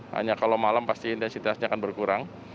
hanya kalau malam pasti intensitasnya akan berkurang